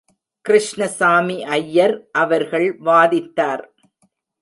கிருஷ்ணசாமி ஐயர் அவர்கள் வாதித்தார்.